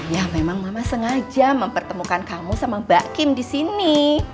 ya memang mama sengaja mempertemukan kamu sama mbak kim di sini